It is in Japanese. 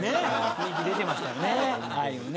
雰囲気出てましたよね。